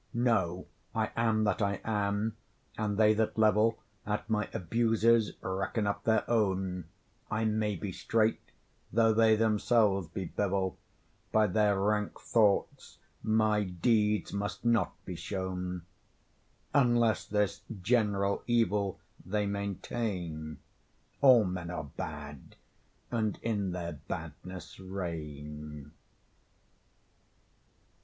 No, I am that I am, and they that level At my abuses reckon up their own: I may be straight though they themselves be bevel; By their rank thoughts, my deeds must not be shown; Unless this general evil they maintain, All men are bad and in their badness reign.